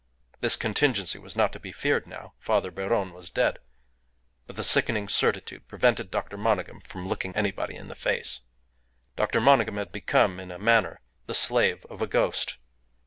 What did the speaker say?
This contingency was not to be feared now. Father Beron was dead; but the sickening certitude prevented Dr. Monygham from looking anybody in the face. Dr. Monygham had become, in a manner, the slave of a ghost.